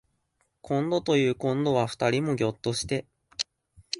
こんどというこんどは二人ともぎょっとして